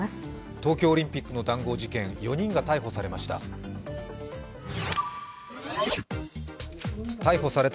東京オリンピックの談合事件、４人が逮捕されました。